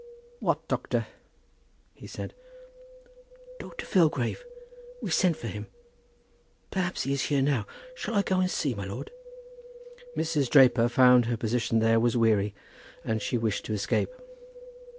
"What doctor?" he said. "Dr. Filgrave. We sent for him. Perhaps he is here now. Shall I go and see, my lord?" Mrs. Draper found that her position there was weary and she wished to escape.